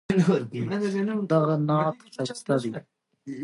دا سندره ښایسته ده